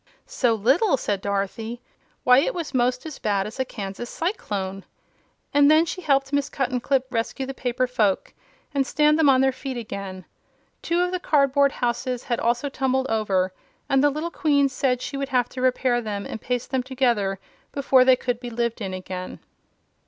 "So little!" said Dorothy. "Why, it was 'most as bad as a Kansas cyclone." And then she helped Miss Cuttenclip rescue the paper folk and stand them on their feet again. Two of the cardboard houses had also tumbled over, and the little Queen said she would have to repair them and paste them together before they could be lived in again.